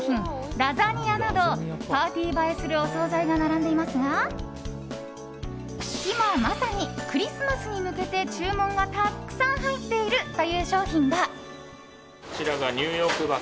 ラザニアなどパーティー映えするお総菜が並んでいますが今まさにクリスマスに向けて注文がたくさん入ってるという商品が。